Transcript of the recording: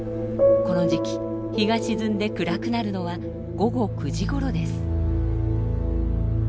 この時期日が沈んで暗くなるのは午後９時ごろです。